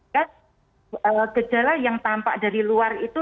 kejala yang tampak dari luar itu